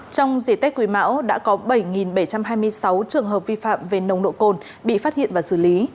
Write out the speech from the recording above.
trong dịp tết quý mão đã có bảy bảy trăm hai mươi sáu trường hợp vi phạm về nồng độ cồn bị phát hiện và xử lý